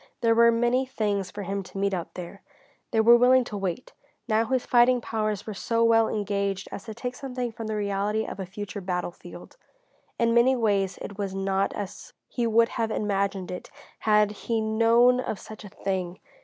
There were many things for him to meet out there. They were willing to wait. Now his fighting powers were so well engaged as to take something from the reality of a future battlefield. In many ways it was not as he would have imagined it had he known of such a thing.